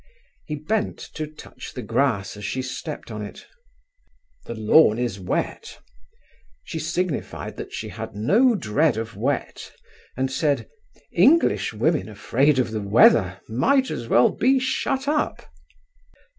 He bent to touch the grass as she stepped on it. "The lawn is wet." She signified that she had no dread of wet, and said: "English women afraid of the weather might as well be shut up."